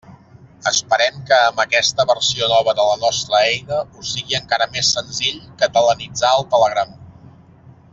Esperem que amb aquesta versió nova de la nostra eina us sigui encara més senzill catalanitzar el Telegram.